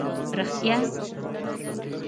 رېښتیا؟!